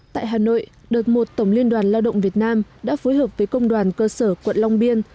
tại hà nội đợt một tổng liên đoàn lao động việt nam đã phối hợp với công đoàn cơ sở quận long biên